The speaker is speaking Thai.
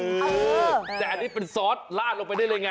เออแต่อันนี้เป็นซอสลาดลงไปได้เลยไง